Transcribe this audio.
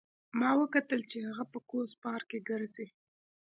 ما وکتل چې هغه په کوز پارک کې ګرځي